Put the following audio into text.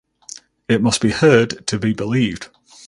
It must be heard to be believed.